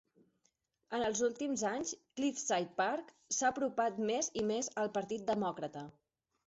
En els últims anys, Cliffside Park s'ha apropat més i més al Partit Demòcrata.